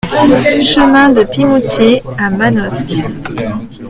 Chemin de Pimoutier à Manosque